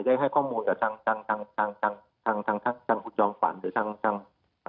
ได้ให้ข้อมูลจากทางทางทางทางทางทางทางคุณจองขวัญหรือทางทางเอ่อ